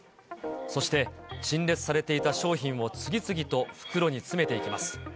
そして陳列されていた商品を次々と袋に詰めていきます。